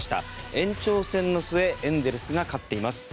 延長戦の末エンゼルスが勝っています。